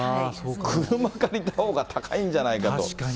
車借りたほうが高いんじゃないかと。